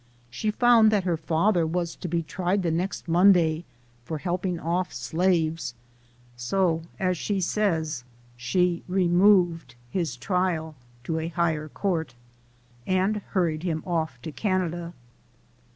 She found that her father was to be tried the next Monday, APPENDTX. Ill for helping off slaves ; so, as she says, she " re moved his trial to a higher court," and hurried him off to Canada.